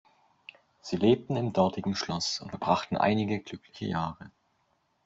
Sie lebten im dortigen Schloss und verbrachten einige glückliche Jahre.